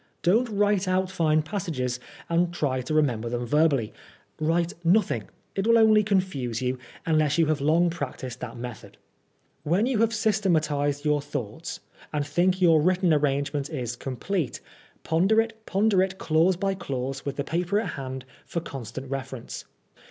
Don't write out fine passages and try to remember them verbally. Write nothing; it will only confuse you, unless you have long practised that method. When you have syste AT THE OU) BAILEY. 81 matised yonr thoughts, and think your written arra^nge ment is complete, ponder it clause by clause with tiie paper at hand for constant reference.